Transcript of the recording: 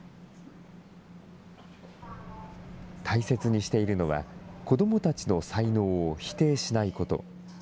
大切にしているのは、子どもたちの才能を否定しないこと。